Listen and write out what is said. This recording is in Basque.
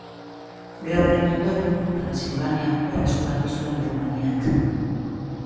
Gerraren ondoren Transilvania berreskuratu zuen Errumaniak.